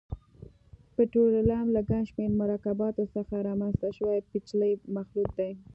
پټرولیم له ګڼشمېر مرکباتو څخه رامنځته شوی پېچلی مخلوط دی.